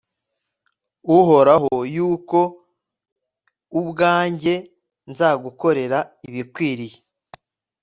uhoraho yuko ubwanjye nzagukorera ibikwiriye